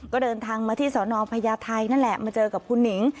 ก็เดินทางมาที่สนพญาไทยนั่นแหละมาเจอกับคุณหนิง